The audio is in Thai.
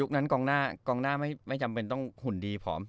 นั้นกองหน้ากองหน้าไม่จำเป็นต้องหุ่นดีผอม